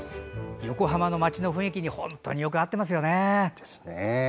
横浜の街の雰囲気に本当によく合っていますね。